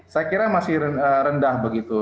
saya kira masih rendah begitu